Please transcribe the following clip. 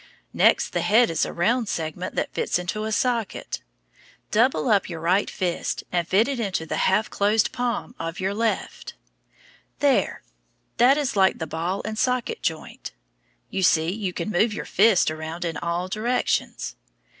Next the head is a round segment that fits into a socket. Double up your right fist and fit it into the half closed palm of your left hand. There! That is like the ball and socket joint. You see you can move your fist around in all directions.